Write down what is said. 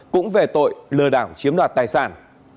cũng về tội lừa đảo chiếm đoạt tài sản